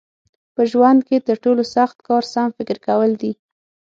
په ژوند کې تر ټولو سخت کار سم فکر کول دي.